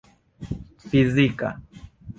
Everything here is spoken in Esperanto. fizika